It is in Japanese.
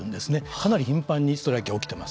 かなり頻繁にストライキが起きてます。